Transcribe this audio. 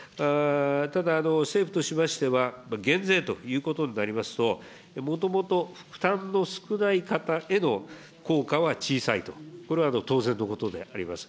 ただ、政府としましては、減税ということになりますと、もともと負担の少ない方への効果は小さいと、これは当然のことであります。